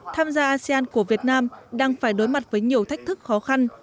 tham gia asean của việt nam đang phải đối mặt với nhiều thách thức khó khăn